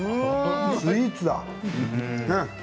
スイーツだ。